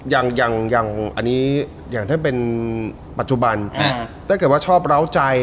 อย่างอย่างอันนี้อย่างถ้าเป็นปัจจุบันถ้าเกิดว่าชอบเล้าใจ